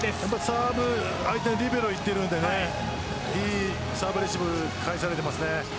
サーブ相手のリベロにいっているのでいいサーブレシーブを返されていますね。